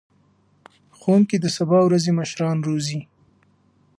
ښوونکي د سبا ورځې مشران روزي.